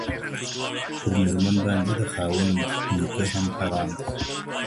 پر ميرمن باندي د خاوند نيکه هم حرام دی.